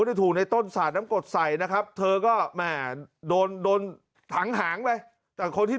ได้ถูกในต้นสาดน้ำกดใส่นะครับเธอก็แหม่โดนโดนถังหางเลยแต่คนที่